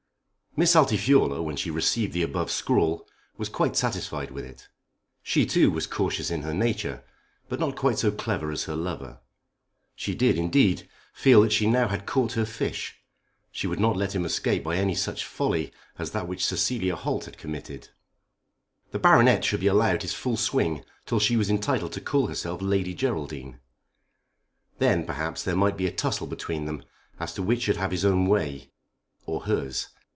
Miss Altifiorla when she received the above scrawl was quite satisfied with it. She, too, was cautious in her nature, but not quite so clever as her lover. She did, indeed, feel that she had now caught her fish. She would not let him escape by any such folly as that which Cecilia Holt had committed. The Baronet should be allowed his full swing till she was entitled to call herself Lady Geraldine. Then, perhaps, there might be a tussle between them as to which should have his own way, or hers.